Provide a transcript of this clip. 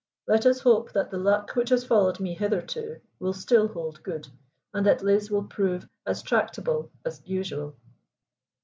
Let us hope that the luck which has followed me hitherto will still hold good, and that Liz will prove as tractable as usual."